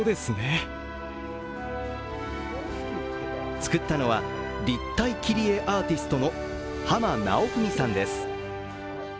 作ったのは立体切り絵アーティストの濱直史さんです。